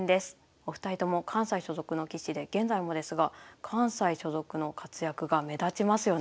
お二人とも関西所属の棋士で現在もですが関西所属の活躍が目立ちますよね。